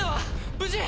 無事？